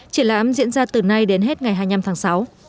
triển lãm diễn ra từ nay đến hết ngày hai mươi năm tháng sáu